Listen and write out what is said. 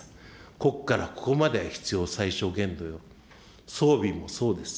ここからここまでが必要最小限度よ、装備もそうです。